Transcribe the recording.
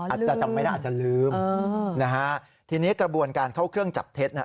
จำไม่ได้อาจจะลืมนะฮะทีนี้กระบวนการเข้าเครื่องจับเท็จน่ะ